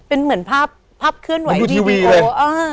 เป็นเหมือนภาพภาพเคลื่อนไหวทีวีดีโอ